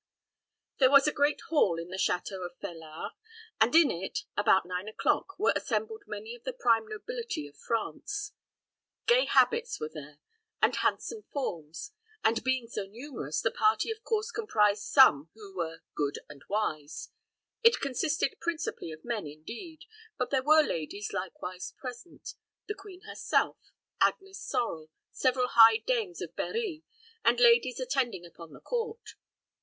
There was a great hall in the château of Felard, and in it, about nine o'clock, were assembled many of the prime nobility of France. Gay habits were there, and handsome forms; and, being so numerous, the party of course comprised some who were good and wise. It consisted principally of men, indeed; but there were ladies likewise present the queen herself, Agnes Sorel, several high dames of Berri, and ladies attending upon the court.